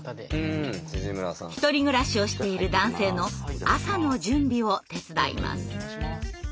１人暮らしをしている男性の朝の準備を手伝います。